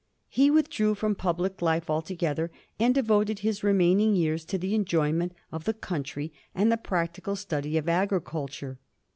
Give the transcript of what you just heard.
He withdrew firom public life altogether, and devoted his remaining years to the enjoyment of the country and the practical study ot agriculture.